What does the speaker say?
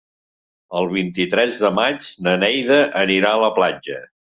El vint-i-tres de maig na Neida anirà a la platja.